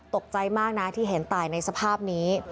ตกใจมากนะที่เห็นตายในสภาพนี้